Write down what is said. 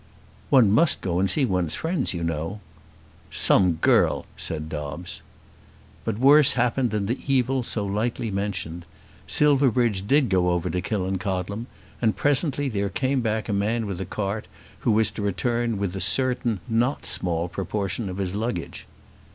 "One must go and see one's friends, you know." "Some girl!" said Dobbes. But worse happened than the evil so lightly mentioned. Silverbridge did go over to Killancodlem; and presently there came back a man with a cart, who was to return with a certain not small proportion of his luggage.